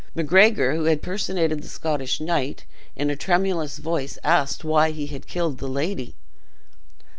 Macgregor, who had personated the Scottish knight, in a tremulous voice asked why he had killed the lady?